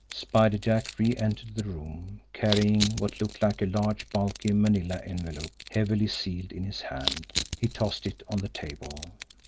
Spider Jack re entered the room, carrying what looked like a large, bulky, manila envelope, heavily sealed, in his hand. He tossed it on the table.